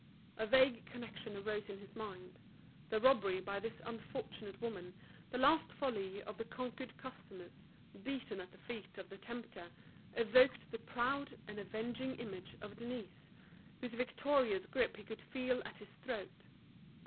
A vague connection arose in his mind: the robbery by this unfortunate woman, the last folly of the conquered customers, beaten at the feet of the tempter, evoked the proud and avenging image of Denise, whose victorious grip he could feel at his throat.